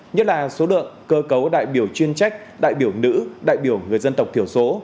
nhất là số lượng cơ cấu đại biểu chuyên trách đại biểu nữ đại biểu người dân tộc thiểu số